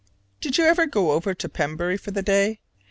Did you go over to Pembury for the day?